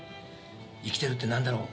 生きてるって何だろう